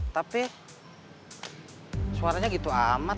tapi suaranya gitu amat